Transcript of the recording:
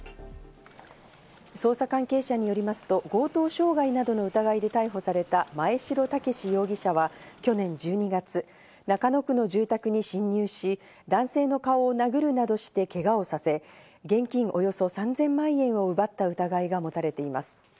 捜査関係者によりますと、強盗傷害などの疑いで逮捕された真栄城健容疑者は去年１２月、中野区の住宅に侵入し、男性の顔を殴るなどしてけがをさせ、現金およそ３０００万円を奪った疑いが持たれています。